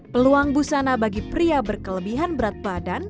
peluang busana bagi pria berkelebihan berat badan